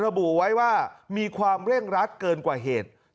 ระบุไว้ว่ามีความเร่งรัดเกินกว่าเหตุ